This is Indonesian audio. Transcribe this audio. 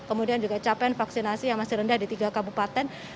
kemudian juga capaian vaksinasi yang masih rendah di tiga kabupaten